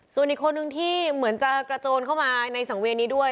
ส่วนอีกคนนึงที่เหมือนจะกระโจนเข้ามาในสังเวียนนี้ด้วย